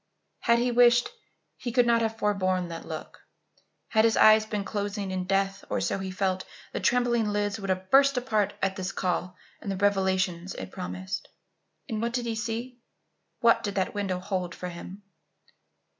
Had he wished, he could not have forborne that look. Had his eyes been closing in death, or so he felt, the trembling lids would have burst apart at this call and the revelations it promised. And what did he see? What did that window hold for him?